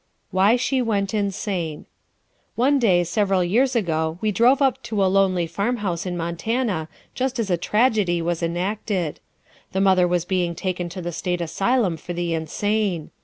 Why She Went Insane ¶ One day several years ago we drove up to a lonely farmhouse in Montana just as a tragedy was enacted. The mother was being taken to the state asylum for the insane.